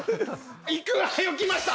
いくわよきました。